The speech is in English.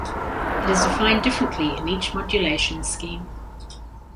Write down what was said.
It is defined differently in each modulation scheme.